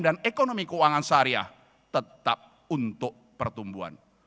dan ekonomi keuangan sehariah tetap untuk pertumbuhan